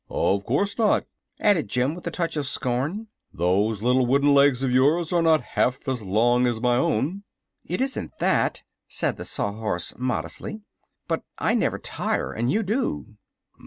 "Of course not," added Jim, with a touch of scorn; "those little wooden legs of yours are not half as long as my own." "It isn't that," said the Sawhorse, modestly; "but I never tire, and you do."